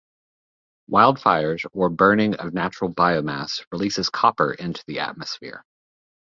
Wildfires or burning of natural biomass releases copper into the atmosphere.